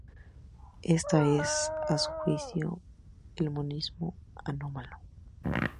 Esta es, a su juicio, el monismo anómalo.